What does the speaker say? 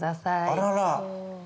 あらら。